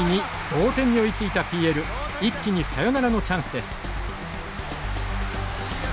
同点に追いついたＰＬ一気にサヨナラのチャンスです。